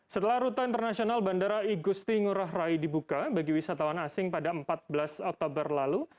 setelah rute internasional bandara igusti ngurah rai dibuka bagi wisatawan asing pada empat belas oktober lalu